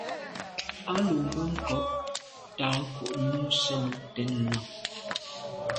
A lo mbe nkôg tàa ko’ num sen ten nà.